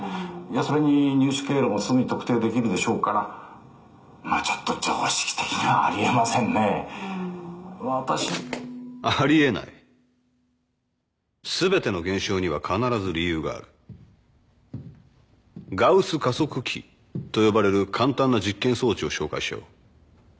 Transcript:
それに入手経路もすぐ特定できるでしょうからまあちょっと常識的にはあり得ませんねん私あり得ないすべての現象には必ず理由がある「ガウス加速器」と呼ばれる簡単な実験装置を紹介しよう